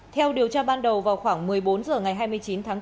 theo điều tra ban đầu vào khoảng một mươi bốn h ngày hai mươi chín tháng bốn